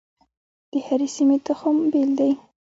د هرې سیمې تخم بیل دی.